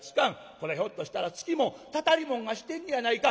こらひょっとしたらつきもんたたりもんがしてんねやないか。